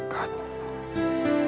kau tak pernah berpikir